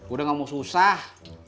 udah gak mau susah